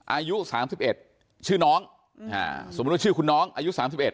อายุ๓๑ชื่อน้องสมมุติว่าชื่อคุณน้องอายุ๓๑